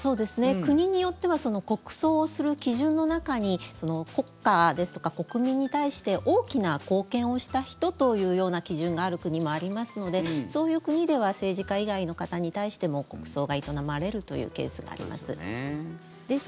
国によっては国葬をする基準の中に国家ですとか国民に対して大きな貢献をした人というような基準がある国もありますのでそういう国では政治家以外の方に対しても国葬が営まれるというケースがあります。